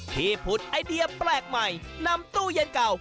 ผุดไอเดียแปลกใหม่นำตู้เย็นเก่า